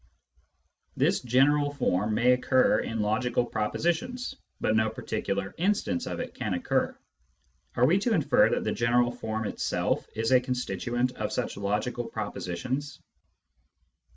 This general form may occur in logical propositions, but no particular instance of it can occur. Are we to infer that the general form itself is a constituent of such logical propositions